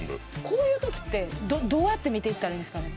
こういう時ってどうやって見ていったらいいんですかね？